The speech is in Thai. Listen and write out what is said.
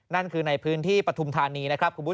นั่นคือในพื้นที่ปฐุมธานี